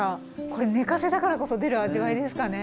これ寝かせたからこそ出る味わいですかね。